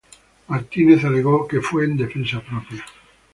Martínez alegó que fue en defensa propia.